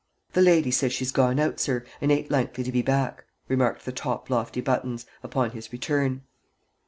"The loidy says she's gone out, sir, and ain't likely to be back," remarked the top lofty buttons, upon his return.